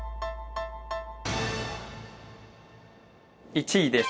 １位です。